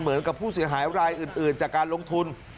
เหมือนกับผู้เสียหายรายอื่นจากการลงทุน